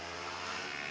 nggak ada pakarnya